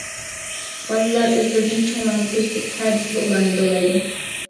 بالىلار ئۆزلىرىدىن چوڭلارنى كۆزىتىپ، ھە دېسىلا ئۇلارنى دورايدۇ.